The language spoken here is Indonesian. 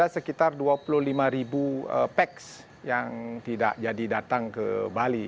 sekitar dua puluh lima ribu peks yang tidak jadi datang ke bali